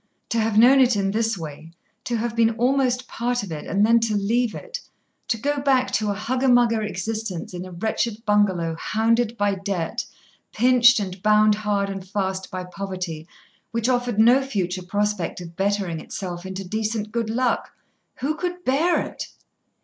To have known it in this way, to have been almost part of it and then to leave it, to go back to a hugger mugger existence in a wretched bungalow hounded by debt, pinched and bound hard and fast by poverty, which offered no future prospect of bettering itself into decent good luck! Who could bear it?